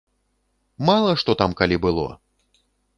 Мала што там калі было!